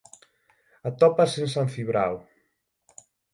Atópase en San Cibrao.